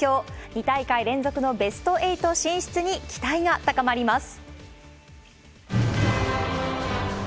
２大会連続のベスト８進出に期待が高まります。